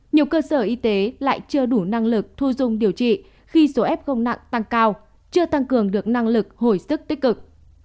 nhiều cơ sở y tế lại chưa đủ năng lực thu dung điều trị khi số f nặng tăng cao chưa tăng cường được năng lực hồi sức tích cực